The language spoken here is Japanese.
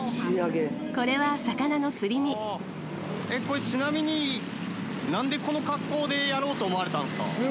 これちなみに何でこの格好でやろうと思われたんですか？